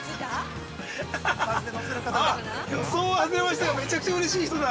予想は外れましたけど、めちゃくちゃうれしい人だ。